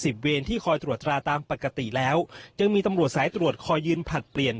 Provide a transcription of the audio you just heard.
เวรที่คอยตรวจตราตามปกติแล้วยังมีตำรวจสายตรวจคอยยืนผลัดเปลี่ยน